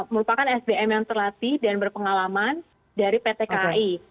merupakan sdm yang terlatih dan berpengalaman dari ptki